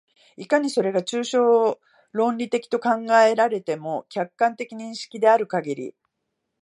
いかにそれが抽象論理的と考えられても、客観的認識であるかぎり、